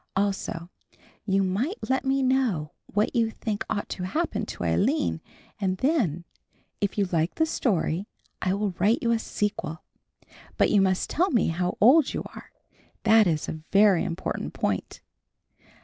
Also you might let me know what you think ought to happen to Aline and then, if you like the story, I will write you a sequel. But you must tell me how old you are, that is a very important point.